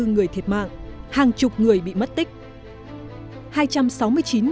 một trăm ba mươi bốn người thiệt mạng hàng chục người bị mất tích